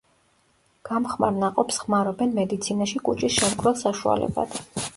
გამხმარ ნაყოფს ხმარობენ მედიცინაში კუჭის შემკვრელ საშუალებად.